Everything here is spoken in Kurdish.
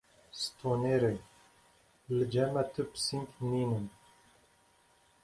Stonêrê: Li cem me tu pising nînin.